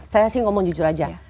saya sih ngomong jujur aja